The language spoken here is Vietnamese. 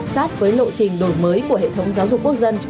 sát với lộ trình đổi mới của hệ thống giáo dục quốc dân